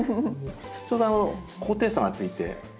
ちょうど高低差がついて。